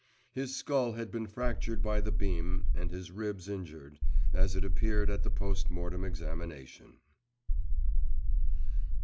His skull had been fractured by the beam and his ribs injured, as it appeared at the post mortem examination.